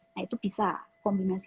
nah itu bisa kombinasi